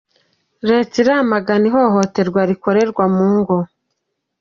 Leta iramagana ihohoterwa rikorerwa mu ngo